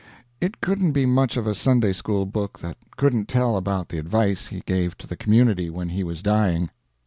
It couldn't be much of a Sunday school book that couldn't tell about the advice he gave to the community when he was dying.